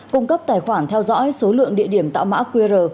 cung cấp tài khoản theo dõi số lượng địa điểm tạo mã qr